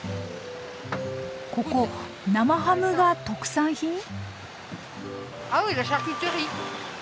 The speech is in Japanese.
ここ生ハムが特産品？